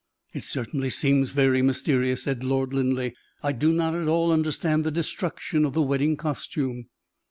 "It certainly seems very mysterious," said Lord Linleigh. "I do not at all understand the destruction of the wedding costume."